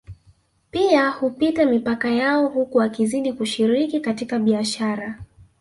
Pia hupita mipaka yao huku wakizidi kushiriki katika biashara